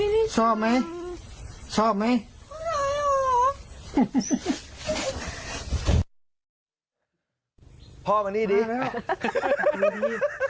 ชอบไหมชอบไหม